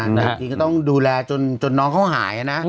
แต่จริงก็ต้องดูแลจนน้องเขาหายนะ